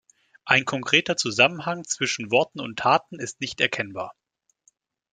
Ein konkreter Zusammenhang zwischen Worten und Taten ist nicht erkennbar.